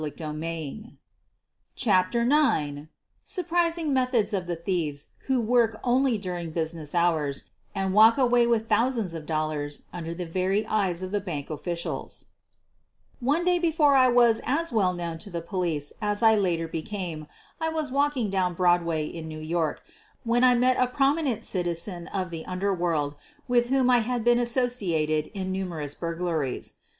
212 SOPHIE LYONS CHAPTER IX SURPRISING METHODS OF THE THIEVES WHO WORK ONLY DURING BUSINESS HOURS AND WALK AWAY WITH THOUSANDS OP DOLLARS UNDER THE VERY EYES OF THE BANK OFFICIALS One day before I was as well known to the police as I later became I was walking down Broadway in New York when I met a prominent citizen of the underworld with whom I had been associated in numerous burglaries.